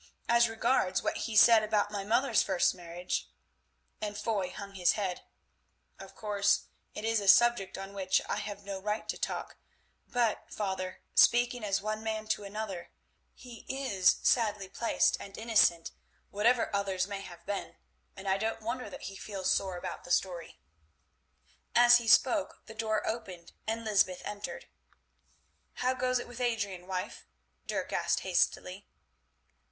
As regards what he said about my mother's first marriage"—and Foy hung his head—"of course it is a subject on which I have no right to talk, but, father, speaking as one man to another—he is sadly placed and innocent, whatever others may have been, and I don't wonder that he feels sore about the story." As he spoke the door opened and Lysbeth entered. "How goes it with Adrian, wife?" Dirk asked hastily.